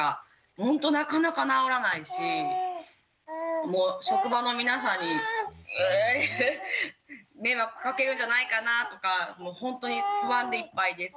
ほんとなかなか治らないしもう職場の皆さんに迷惑かけるんじゃないかなとかもうほんとに不安でいっぱいです。